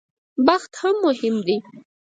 بخت هم مهم دی.